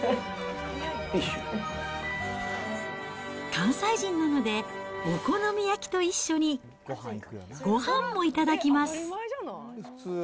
関西人なので、お好み焼きと一緒に、ごはんも頂きます。